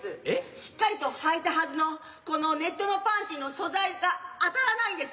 しっかりとはいたはずのこのネットのパンティーの素材が当たらないんです